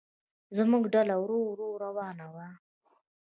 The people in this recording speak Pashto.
زموږ ډله ورو ورو روانه وه.